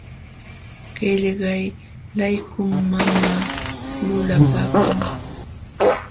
Qillaylaykum mamaa lulapankun.